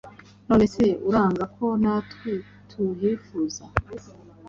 None se uranga ko natwe tuhifuza?